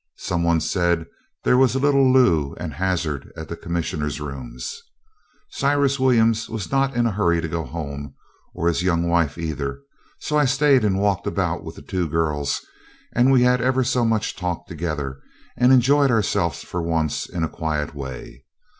Some one said there was a little loo and hazard at the Commissioner's rooms. Cyrus Williams was not in a hurry to go home, or his young wife either, so I stayed and walked about with the two girls, and we had ever so much talk together, and enjoyed ourselves for once in a quiet way.